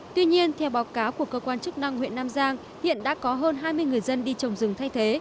tuy nhiên theo báo cáo của cơ quan chức năng huyện nam giang hiện đã có hơn hai mươi người dân đi trồng rừng thay thế